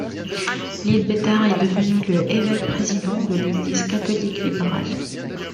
Leadbeater est devenu le évêque-président de l'Église catholique libérale.